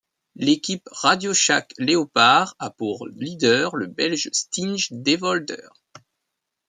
L'équipe RadioShack-Leopard a pour leader le Belge Stijn Devolder.